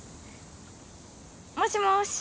もしもし。